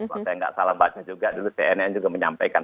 kalau saya nggak salah baca juga dulu cnn juga menyampaikan